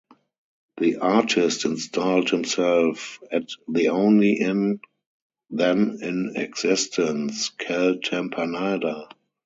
The artist installed himself at the only inn then in existence, Cal Tampanada.